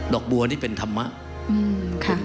อกบัวนี่เป็นธรรมะ